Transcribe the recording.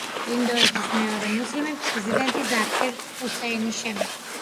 ინდოეთის მეორე მუსლიმი პრეზიდენტი ზაქირ ჰუსეინის შემდეგ.